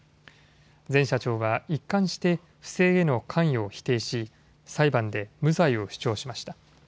前社長は一貫して不正への関与を否定し裁判で無罪を主張しました。